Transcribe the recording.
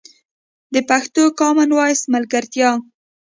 د پښتو کامن وایس ملګرتیا